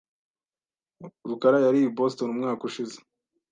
rukara yari i Boston umwaka ushize .